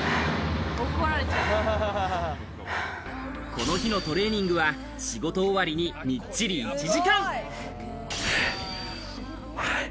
この日のトレーニングは仕事終わりに、みっちり１時間。